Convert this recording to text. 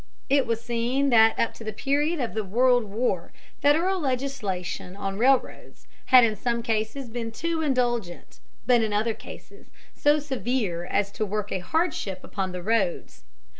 It was seen that up to the period of the World War Federal legislation on railroads had in some cases been too indulgent, but in other cases so severe as to work a hardship upon the roads.